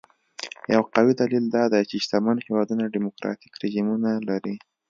یو قوي دلیل دا دی چې شتمن هېوادونه ډیموکراټیک رژیمونه لري.